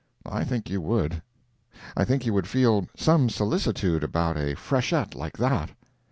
I think you would. I think you would feel some solicitude about a freshet like that.